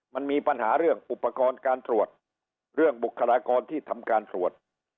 มันมีปัญหาเรื่องอุปกรณ์การตรวจเรื่องบุคลากรที่ทำการตรวจ